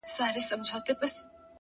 د دې لپاره چي ډېوه به یې راځي کلي ته،